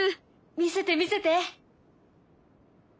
見せて見せて。